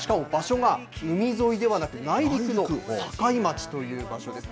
しかも、場所が海沿いではなく、内陸の境町という場所です。